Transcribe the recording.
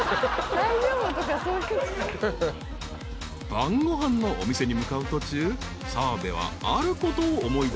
［晩ご飯のお店に向かう途中澤部はあることを思い出す］